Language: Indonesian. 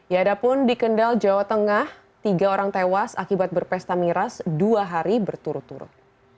ya ada pun di kendal jawa tengah tiga orang tewas akibat berpesta miras dua hari berturut turut